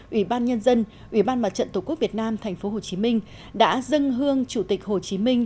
ủy ban nhân dân ủy ban mặt trận tổ quốc việt nam tp hcm đã dâng hương chủ tịch hồ chí minh